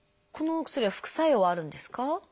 このお薬は副作用はあるんですか？